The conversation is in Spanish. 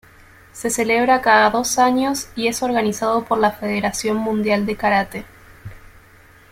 Se celebra cada dos años y es organizado por la Federación Mundial de Karate.